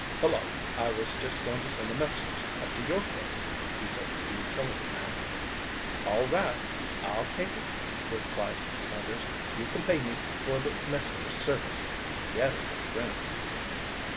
"Hullo, I was just going to send a message up to your place," he said to the utility man. "All right, I'll take it," replied Snuggers. "You can pay me for the messenger service," he added with a grin.